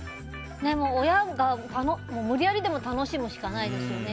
でも親が無理矢理でも楽しむしかないですよね。